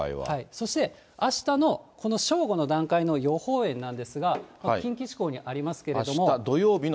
そして、あしたのこの正午の段階の予報円なんですが、近畿地方にありますけれども。